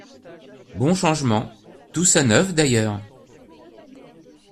Bons changements ; tout ça neuf, d’ailleurs.